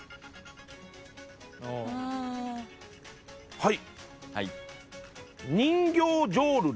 はい。